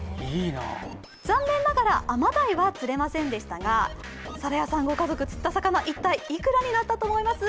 残念ながらアマダイは釣れませんでしたが皿屋さん御家族釣った魚いくらだと思います？